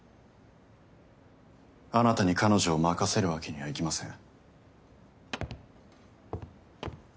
あなたに彼女を任せるわけにはいきません。